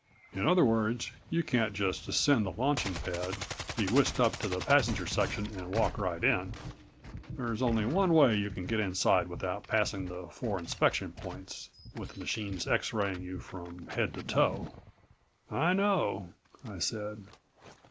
In other words, you can't just ascend the launching pad, be whisked up to the passenger section and walk right in. There's only one way you can get inside without passing the four inspection points, with machines X raying you from head to toe." "I know," I said.